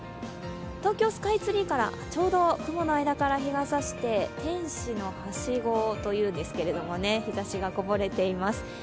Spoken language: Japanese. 東京スカイツリーから、ちょうど雲の間から日が差して天使のはしごと言うんですけど日ざしがこぼれています。